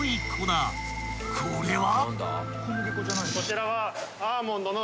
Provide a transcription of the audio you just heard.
［これは？］